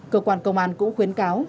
cơ quan công an cũng khuyến cáo